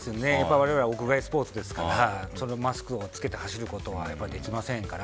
われわれ、屋外スポーツですからマスクを着けて走ることはできませんから。